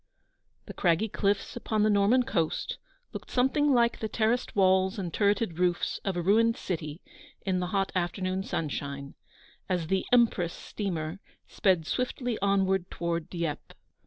The craggy cliffs upon the Norman coast looked something like the terraced walls and turreted roofs of a ruined city in the hot afternoon sun shine, as the "Empress" steamer sped swiftly on ward toward Dieppe.